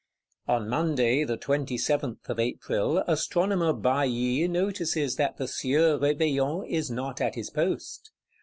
On Monday, the 27th of April, Astronomer Bailly notices that the Sieur Réveillon is not at his post.